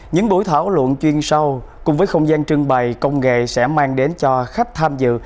những buổi thảo luận chuyên sâu cùng với không gian trưng bày công nghệ sẽ mang đến cho khách tham dự